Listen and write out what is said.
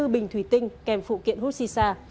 hai mươi bốn bình thủy tinh kèm phụ kiện hút xì xa